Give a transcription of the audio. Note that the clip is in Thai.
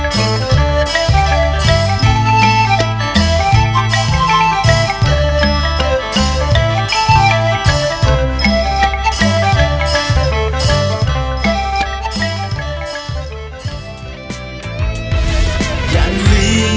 สวัสดีครับ